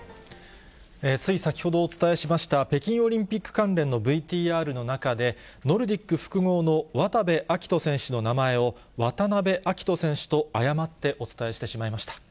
つい先ほどお伝えしました、北京オリンピック関連のＶＴＲの中で、ノルディック複合の渡部暁斗選手の名前を、わたなべあきと選手と謝ってお伝えしてしまいました。